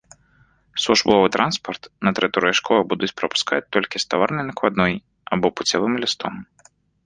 Службовы транспарт на тэрыторыю школы будуць прапускаць толькі з таварнай накладной або пуцявым лістом.